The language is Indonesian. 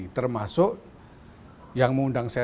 termasuk yang mengundang sejarah